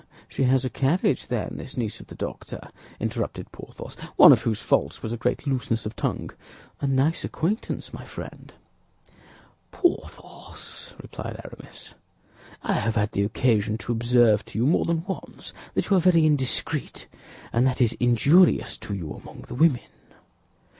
"Ah! She has a carriage, then, this niece of the doctor?" interrupted Porthos, one of whose faults was a great looseness of tongue. "A nice acquaintance, my friend!" "Porthos," replied Aramis, "I have had the occasion to observe to you more than once that you are very indiscreet; and that is injurious to you among the women."